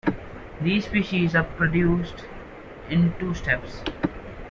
These species are produced in two steps.